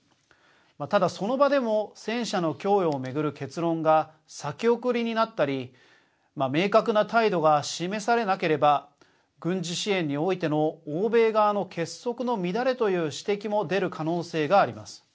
ただ、その場でも戦車の供与を巡る結論が先送りになったり明確な態度が示されなければ軍事支援においての欧米側の結束の乱れという指摘も出る可能性があります。